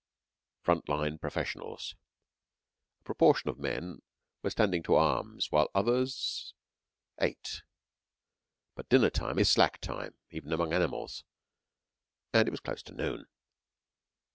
FRONT LINE PROFESSIONALS A proportion of men were standing to arms while others ate; but dinner time is slack time, even among animals, and it was close on noon.